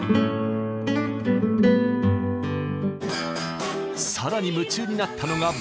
さらに夢中になったのがブルース。